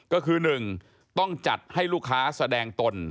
ก็คือ๑ต้องจัดให้ลูกค้าแสดงตน